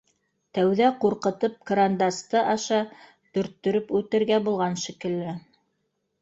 Тәүҙә ҡурҡытып кырандасты и,ша төрттөрөп үтергә булған шикелле